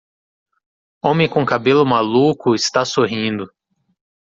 Homem com cabelo maluco está sorrindo.